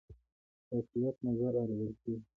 د اقلیت نظر اوریدل کیږي